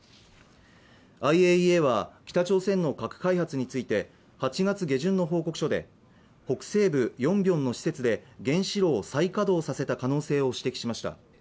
ＩＡＥＡは北朝鮮の核開発について８月下旬の報告書で、北西部ヨンビョンの施設で原子炉を再稼働させた可能性を指摘しました。